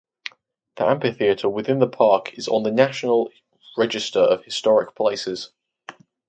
The amphitheater within the park is on the National Register of Historic Places.